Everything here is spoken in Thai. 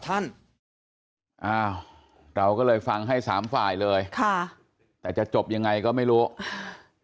อ้าวเราก็เลยฟังให้สามฝ่ายเลยค่ะแต่จะจบยังไงก็ไม่รู้อ่า